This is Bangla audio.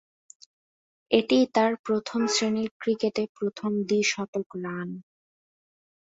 এটিই তার প্রথম-শ্রেণীর ক্রিকেটে প্রথম দ্বি-শতক রান।